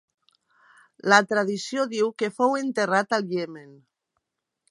La tradició diu que fou enterrat al Iemen.